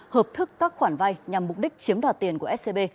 hợp thức các khoản vay nhằm mục đích chiếm đoạt tiền của scb